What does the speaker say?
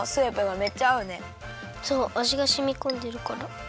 そうあじがしみこんでるから。